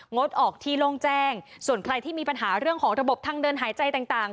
งดออกที่โล่งแจ้งส่วนใครที่มีปัญหาเรื่องของระบบทางเดินหายใจต่าง